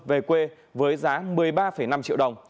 về quê với giá một mươi ba năm triệu đồng